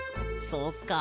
そっか。